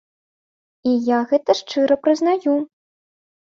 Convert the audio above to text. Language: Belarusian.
І я гэта шчыра прызнаю.